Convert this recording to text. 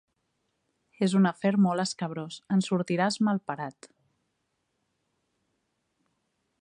És un afer molt escabrós: en sortiràs malparat.